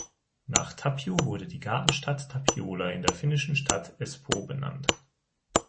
Nach Tapio wurde die Gartenstadt Tapiola in der finnischen Stadt Espoo benannt.